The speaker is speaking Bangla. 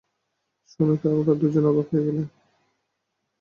শুনে ওরা দুজনে অবাক হয়ে গেল।